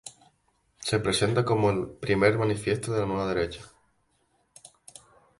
Se presenta como "el primer manifiesto de la Nueva Derecha".